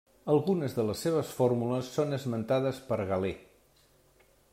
Algunes de les seves fórmules són esmentades per Galè.